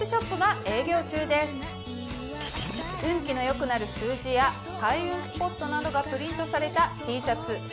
運気の良くなる数字や開運スポットなどがプリントされたＴシャツ